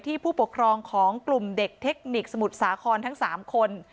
ผู้ปกครองของกลุ่มเด็กเทคนิคสมุทรสาครทั้ง๓คน